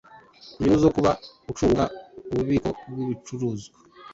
inyungu zo kuba ucunga ububiko bw ibicuruzwa